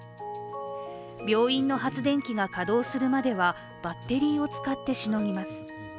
病院の発電機が稼働するまではバッテリーを使ってしのぎます。